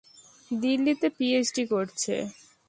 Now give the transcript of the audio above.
দিল্লিতে, পিএইচডি করছে।